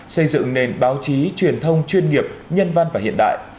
xây dựng nền báo chí truyền thông chuyên nghiệp nhân văn và hiện đại